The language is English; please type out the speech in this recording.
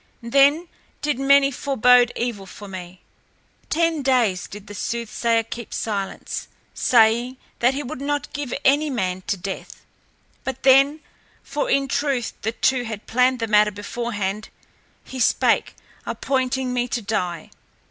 Then did many forbode evil for me. Ten days did the soothsayer keep silence, saying that he would not give any man to death. But then, for in truth the two had planned the matter beforehand, he spake, appointing me to die.